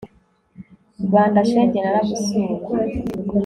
Rwanda shenge naragusuye